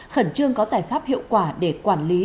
khẩn trương có giải pháp hiệu quả để quản lý